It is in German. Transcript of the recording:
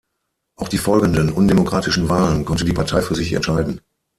Auch die folgenden, undemokratischen Wahlen konnte die Partei für sich entscheiden.